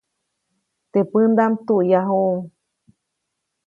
Teʼ pändaʼm tuʼyajuʼuŋ.